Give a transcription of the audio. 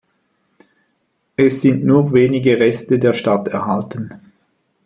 Es sind nur wenige Reste der Stadt erhalten.